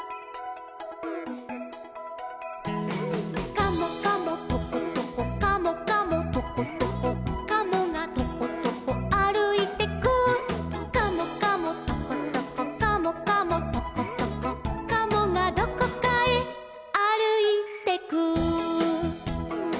「カモカモトコトコカモカモトコトコ」「カモがトコトコあるいてく」「カモカモトコトコカモカモトコトコ」「カモがどこかへあるいてく」